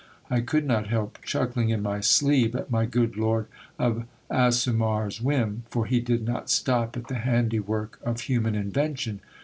I could not help chuck ling in my sleeve at my good lord of Asumar's whim ; for he did not stop at the handywork of human invention.